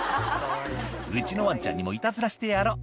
「うちのワンちゃんにもいたずらしてやろう」